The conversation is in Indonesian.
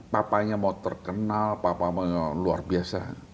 papanya mau terkenal papa maunya luar biasa